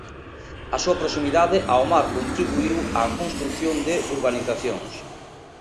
A súa proximidade ao mar contribuíu á construción de urbanizacións.